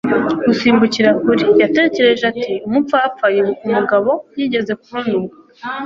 gusimbukira kuri. yatekereje ati 'umupfapfa,' yibuka umugabo yigeze kubona uwo